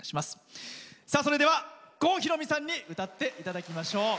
それでは郷ひろみさんに歌っていただきましょう。